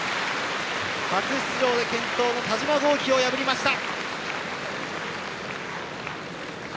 初出場で健闘の田嶋剛希を破りました。